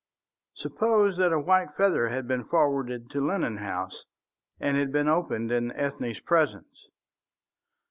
Suppose that a white feather had been forwarded to Lennon House, and had been opened in Ethne's presence?